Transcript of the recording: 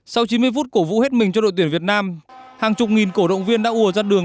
sau chín mươi phút cổ vũ hết mình cho đội tuyển việt nam hàng chục nghìn cổ động viên đã ùa ra đường